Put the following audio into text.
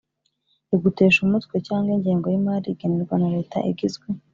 igutesha umutwe cyangwa ingengo y imari igenerwa na Leta igizwe